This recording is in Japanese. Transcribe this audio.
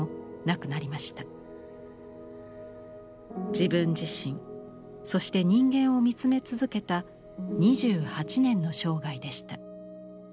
自分自身そして人間を見つめ続けた２８年の生涯でした。